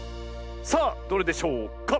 さあどれでしょうか？